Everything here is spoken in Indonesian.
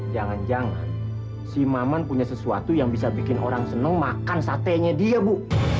jangan jangan simerman punya sesuatu yang bisa bikin orang senang makan satenya di bu